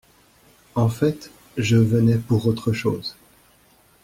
En fait, je venais pour autre chose.